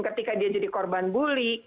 ketika dia jadi korban bully